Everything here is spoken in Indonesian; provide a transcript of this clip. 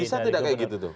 bisa tidak kayak gitu tuh